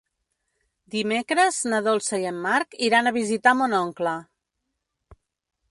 Dimecres na Dolça i en Marc iran a visitar mon oncle.